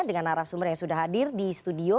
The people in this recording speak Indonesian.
dengan narasumber yang sudah hadir di studio